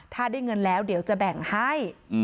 ถ้าได้เงินแล้วเดี๋ยวจะแบ่งให้